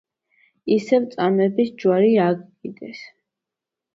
ისევ წამების ჯვარი აგკიდეს